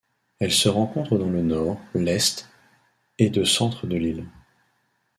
Elle se rencontre dans le nord, l'est et de centre de l'île.